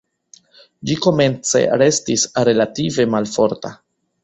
Ĝi komence restis relative malforta.